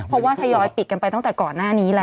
เพราะว่าทยอยปิดกันไปตั้งแต่ก่อนหน้านี้แล้ว